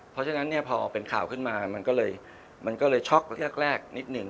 เพราะฉะนั้นพอเป็นข่าวขึ้นมามันก็เลยช็อคแรกนิดหนึ่ง